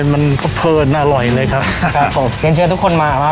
มันเผลอยอร่อยเลยครับครับผมเรียนเชิญทุกคนมามา